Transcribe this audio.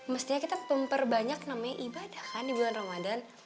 mestinya kita pemberbanyak namanya ibadah kan di bulan ramadhan